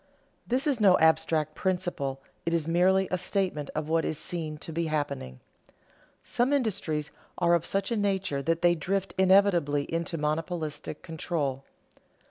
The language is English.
_ This is no abstract principle; it is merely a statement of what is seen to be happening. Some industries are of such a nature that they drift inevitably into monopolistic control.